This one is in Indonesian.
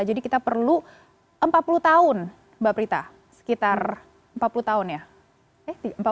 jadi kita perlu empat puluh tahun mbak prita sekitar empat puluh tahun ya